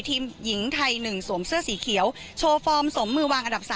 ทีมหญิงไทย๑สวมเสื้อสีเขียวโชว์ฟอร์มสมมือวางอันดับ๓